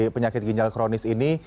penyakit ginjal kronis ini